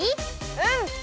うん！